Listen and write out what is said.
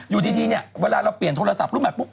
อยู่ทีเวลาเราเปลี่ยนโทรศัพท์รูปหมายปุ๊บ